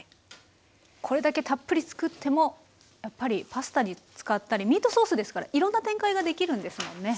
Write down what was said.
これだけたっぷり作ってもやっぱりパスタに使ったりミートソースですからいろんな展開ができるんですもんね。